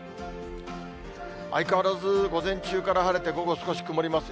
相変わらず午前中から晴れて午後、少し曇ります。